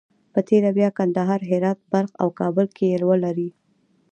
په تېره بیا کندهار، هرات، بلخ او کابل کې یې ولري.